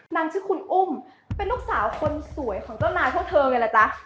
นางชื่อคุณอุ้มเป็นลูกสาวคนสวยของเจ้านายพวกเธอไงล่ะจ๊ะ